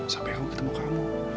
sampai aku ketemu kamu